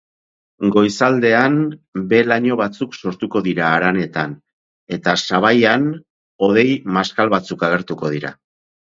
Goizaldean behe-laino batzuk sortuko dira haranetan eta sabaian hodei maskal batzuk agertuko dira.